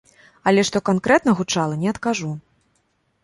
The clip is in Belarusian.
Але што канкрэтна гучала, не адкажу.